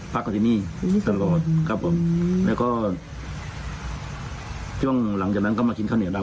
พักกับที่นี่ตลอดครับผมแล้วก็ช่วงหลังจากนั้นก็มากินข้าวเหนียวได้